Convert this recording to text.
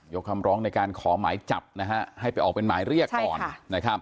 คำร้องในการขอหมายจับนะฮะให้ไปออกเป็นหมายเรียกก่อนนะครับ